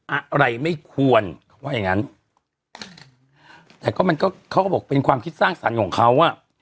อะไรไม่ควรเขาว่าอย่างงั้นแต่ก็มันก็เขาก็บอกเป็นความคิดสร้างสรรค์ของเขาอ่ะ